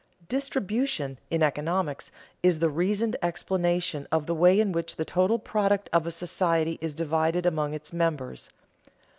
_ "Distribution" in economics is the reasoned explanation of the way in which the total product of a society is divided among its members.